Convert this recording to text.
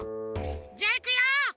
じゃいくよ！